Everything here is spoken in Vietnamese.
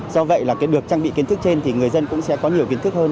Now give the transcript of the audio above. do vậy là cái được trang bị kiến thức trên thì người dân cũng sẽ có nhiều kiến thức hơn